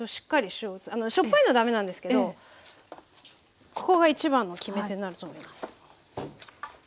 しょっぱいのはだめなんですけどここが一番の決め手になると思います。